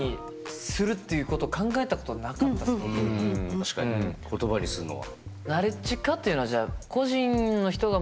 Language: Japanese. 確かにね言葉にするのは。